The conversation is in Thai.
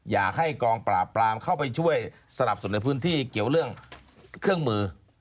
อยากให้กองปราบปรามเข้าไปช่วยสนับสนในพื้นที่เกี่ยวเรื่องเครื่องมือ